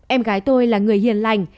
em gái tôi là người hiền lành